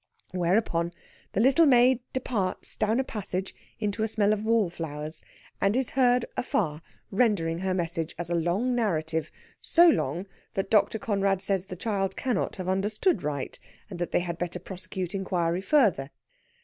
Whereupon the little maid departs down a passage into a smell of wallflowers, and is heard afar rendering her message as a long narrative so long that Dr. Conrad says the child cannot have understood right, and they had better prosecute inquiry further.